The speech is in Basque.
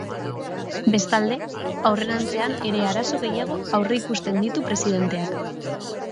Bestalde, aurrerantzean ere arazo gehiago aurreikusten ditu presidenteak.